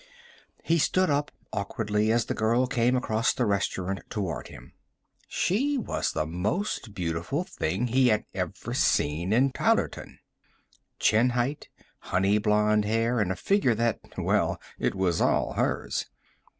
He stood up awkwardly as the girl came across the restaurant toward him. She was the most beautiful thing he had ever seen in Tylerton. Chin height, honey blonde hair and a figure that well, it was all hers.